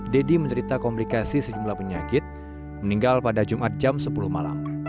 deddy menderita komplikasi sejumlah penyakit meninggal pada jumat jam sepuluh malam